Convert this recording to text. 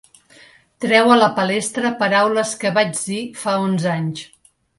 Treu a la palestra paraules que vaig dir fa onze anys.